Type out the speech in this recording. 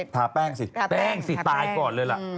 ทาแป้งสิทาแป้งทาแป้งแป้งสิตายก่อนเลยล่ะ